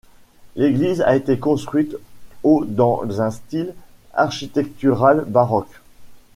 L'église a été construite au dans un style architectural baroque.